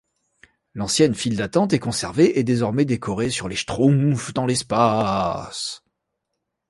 L'ancienne file d'attente est conservée et désormais décorée sur les Schtroumpfs dans l'espace.